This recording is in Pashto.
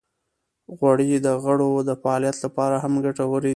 غوړې د غړو د فعالیت لپاره هم ګټورې دي.